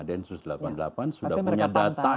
densus delapan puluh delapan sudah punya data